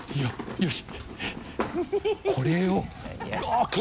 よし。